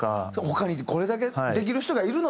他にこれだけできる人がいるのであればと。